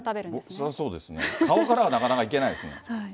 そりゃそうですね、顔からはなかなかいけないですよ。